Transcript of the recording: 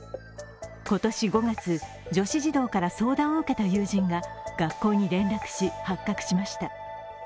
今年５月、女子児童から相談を受けた友人が学校に連絡し発覚しました。